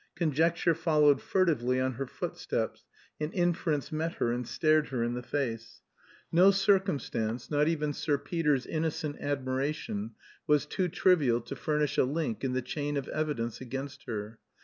Conjecture followed furtively on her footsteps, and inference met her and stared her in the face. No circumstance, not even Sir Peter's innocent admiration, was too trivial to furnish a link in the chain of evidence against her.